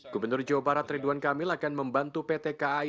gubernur jawa barat ridwan kamil akan membantu pt kai